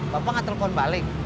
bapak nggak telepon balik